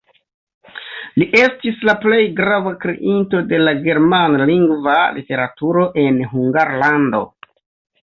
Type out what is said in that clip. Li estis la plej grava kreinto de la germanlingva literaturo en Hungarlando.